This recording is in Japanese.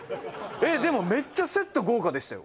えっでもめっちゃセット豪華でしたよ